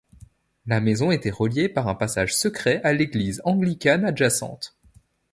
La maison était reliée par un passage secret à l'église anglicane adjacente.